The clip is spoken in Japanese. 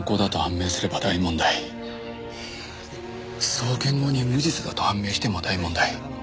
送検後に無実だと判明しても大問題。